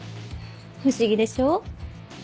不思議でしょう？